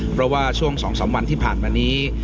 เพราะว่าช่วง๒๓วันที่ผ่านมานี้